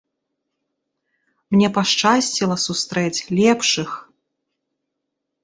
Мне пашчасціла сустрэць лепшых!